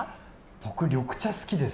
僕、緑茶好きです。